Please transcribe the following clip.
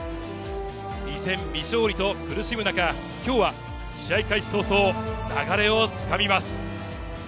２戦未勝利と苦しむ中、きょうは試合開始早々、流れをつかみます。